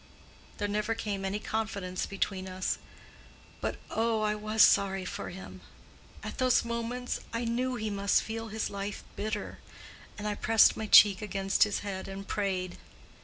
There never came any confidence between us; but oh, I was sorry for him. At those moments I knew he must feel his life bitter, and I pressed my cheek against his head and prayed.